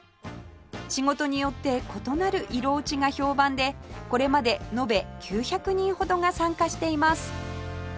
仕事によって異なる色落ちが評判でこれまで延べ９００人ほどが参加しています